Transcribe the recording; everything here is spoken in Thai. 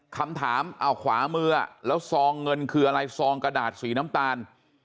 คำถามเอาขวามือแล้วซองเงินคืออะไรซองกระดาษสีน้ำตาล